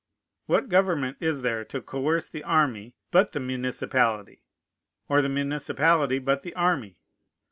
What government is there to coerce the army but the municipality, or the municipality but the army?